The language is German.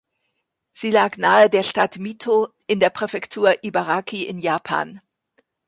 Sie lag nahe der Stadt Mito, in der Präfektur Ibaraki in Japan.